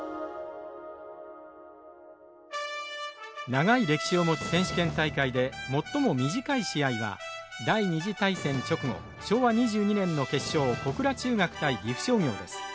長い歴史を持つ選手権大会で最も短い試合は第２次大戦直後昭和２２年の決勝小倉中学対岐阜商業です。